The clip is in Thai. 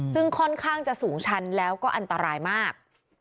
ซึ่งค่อนข้างจะสูงชันแล้วก็อันตรายมาก